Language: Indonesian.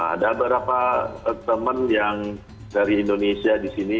ada beberapa teman yang dari indonesia di sini